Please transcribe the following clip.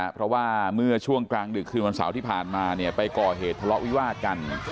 เพราะว่าเมื่อช่วงกลางหนึ่งคือวาริสัยที่พาลมาไปก่อเหตุทะเลาะวิวาดกัน